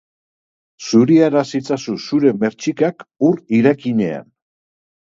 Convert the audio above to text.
Zuriaraz itzazu zure mertxikak ur irakinean.